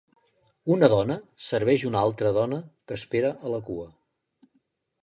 Una dona serveix una altra dona que espera a la cua.